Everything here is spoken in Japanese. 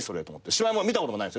芝居も見たこともないんすよ。